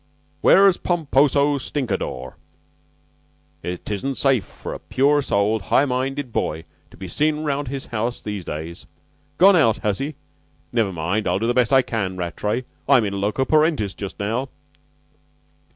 "Where's the Pomposo Stinkadore? 'Tisn't safe for a pure souled, high minded boy to be seen round his house these days. Gone out, has he? Never mind. I'll do the best I can, Rattray. I'm in loco parentis just now."